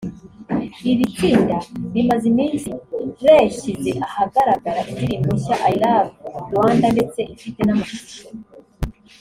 Iri tsinda rimaze iminsi reshyize ahagaragara indirimbo nshya“I love Rwanda” ndetse ifite n’amashusho